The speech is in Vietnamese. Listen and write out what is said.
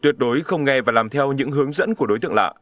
tuyệt đối không nghe và làm theo những hướng dẫn của đối tượng lạ